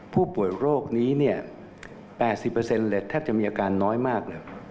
ผู้ป่วยโรคนี้๘๐เลยแทบจะมีอาการน้อยมากเลย